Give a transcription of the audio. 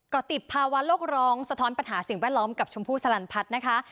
ก็ติดภาวะโลกร้องสะท้อนปัญหาสิ่งแวดล้อมกับชมพู่สลันพัฒน์นะคะ